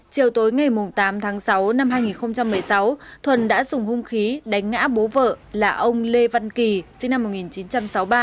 chiều tối ngày tám tháng sáu năm hai nghìn một mươi sáu thuần đã dùng hung khí đánh ngã bố vợ là ông lê văn kỳ sinh năm một nghìn chín trăm sáu mươi ba